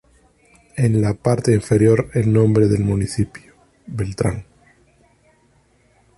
En la parte inferior el nombre del municipio."Beltrán".